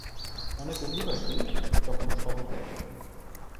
অনেক অধিবাসী তখন শহর ত্যাগ করেন।